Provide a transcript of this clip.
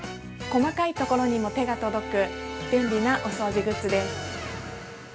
◆細かいところにも手が届く、便利なお掃除グッズです。